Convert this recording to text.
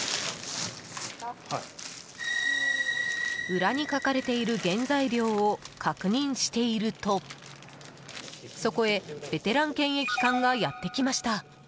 裏に書かれている原材料を確認しているとそこへ、ベテラン検疫官がやってきました。